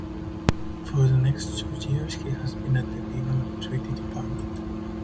For the next two years he has been at the Legal and Treaty Department.